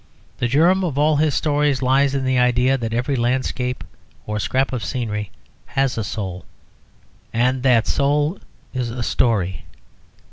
The germ of all his stories lies in the idea that every landscape or scrap of scenery has a soul: and that soul is a story.